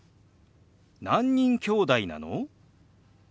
「何人きょうだいなの？」。